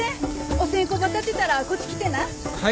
お線香ば立てたらこっち来てな。